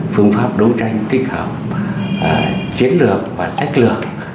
phương pháp đấu tranh tích hợp chiến lược và sách lược